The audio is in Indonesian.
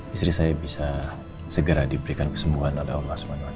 istri saya bisa segera diberikan kesembuhan oleh allah swt